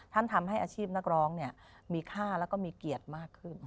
ท่านทำให้อาชีพนักร้องเนี่ยมีค่าและมีเกียรติมากขึ้น